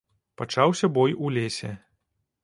Пачаўся бой у лесе.